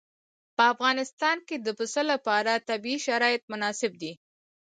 په افغانستان کې د پسه لپاره طبیعي شرایط مناسب دي.